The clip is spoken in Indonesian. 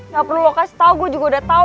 gaperno lo kasih tau gue juga udah tau